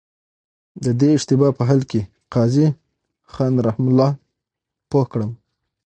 د دې اشتباه په حل کي قاضي خان رحمه الله پوه کړم.